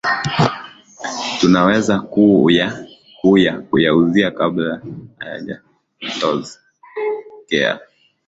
tunaweza kuya kuya kuyazuia kabla hayajatokea